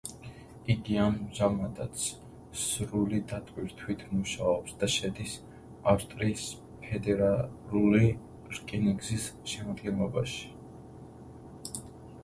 იგი ამჟამადაც სრული დატვირთვით მუშაობს და შედის ავსტრიის ფედერალური რკინიგზის შემადგენლობაში.